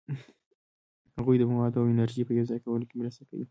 هغوی د موادو او انرژي په یوځای کولو کې مرسته کوي.